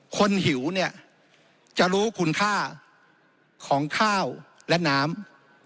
หิวเนี่ยจะรู้คุณค่าของข้าวและน้ำ